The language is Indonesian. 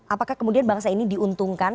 apakah kemudian bangsa ini diuntungkan